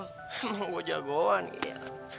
emang gua jagoan ya